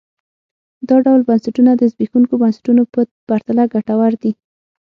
دا ډول بنسټونه د زبېښونکو بنسټونو په پرتله ګټور دي.